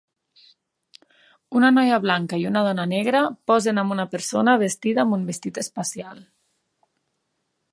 Una noia blanca i una dona negra posen amb una persona vestida amb un vestit espacial.